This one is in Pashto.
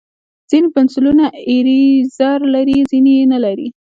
ځینې پنسلونه ایریزر لري، ځینې یې نه لري.